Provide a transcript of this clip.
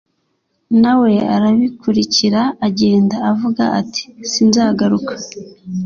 na we arabikurikira agenda avuga ati:sinzagaruka